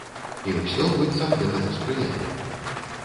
І ўсё, быццам, гэтаму спрыяе.